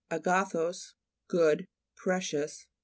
agathos, good, pre cious.